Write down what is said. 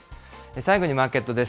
最後にマーケットです。